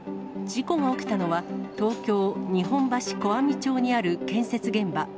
事故が起きたのは、東京・日本橋小網町にある建設現場。